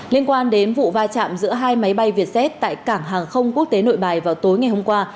liên quan đến vụ va chạm giữa hai máy bay vietjet tại cảng hàng không quốc tế nội bài vào tối ngày hôm qua